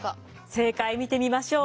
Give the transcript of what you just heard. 正解見てみましょう。